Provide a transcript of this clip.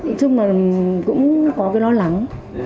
nhưng mà cũng có cái lo lắng